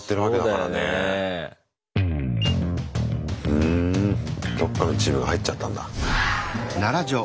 うんどっかのチームが入っちゃったんだ。